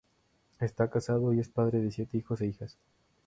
Está casado y es padre de siete hijos e hijas.